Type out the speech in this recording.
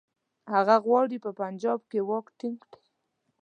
هغه غواړي په پنجاب کې واک ټینګ کړي.